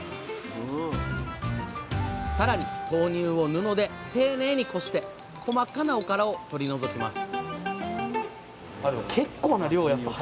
さらに豆乳を布で丁寧にこして細かなおからを取り除きます